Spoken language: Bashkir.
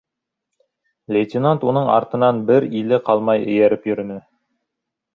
Лейтенант уның артынан бер иле ҡалмай эйәреп йөрөнө.